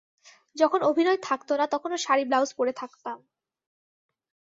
যখন অভিনয় থাকত না, তখনও শাড়ি-ব্লাউজ পরে থাকতাম।